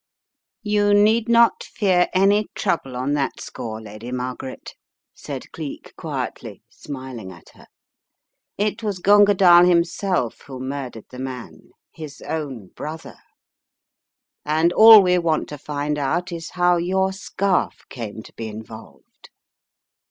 "You need not fear any trouble on that score, Lady Margaret," said Cleek, quietly, smiling at her. "It was Gunga Dall himself who murdered the man, 276 The Riddle of the Purple Emperor his own brother. And all we want to find out is how your scarf came to be involved.